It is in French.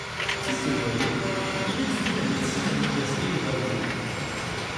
Fils de joaillier, il étudie la médecine à l’université d’Édimbourg.